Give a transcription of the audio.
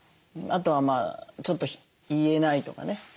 あとはちょっと言えないとかね